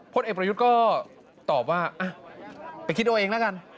พลเอกประยุทธ์ก็ตอบว่าไปคิดเอาเองแล้วกัน